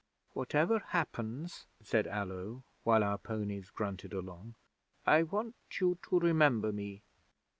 '"Whatever happens," said Allo, while our ponies grunted along, "I want you to remember me."